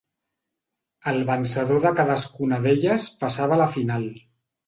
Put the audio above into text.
El vencedor de cadascuna d'elles passava a la final.